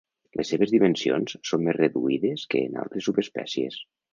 Les seves dimensions són més reduïdes que en altres subespècies.